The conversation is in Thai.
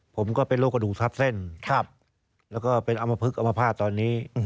ผมก็เป็นโรคกระดูกทับเส้นแล้วก็เป็นอมพลึกอมภาษณ์ตอนนี้